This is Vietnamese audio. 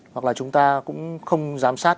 hoặc là chúng ta cũng không giám sát